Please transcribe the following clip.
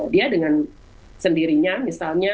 dia dengan sendirinya misalnya